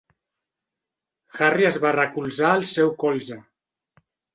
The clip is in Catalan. Harry es va recolzar al seu colze.